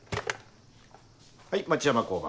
はい町山交番。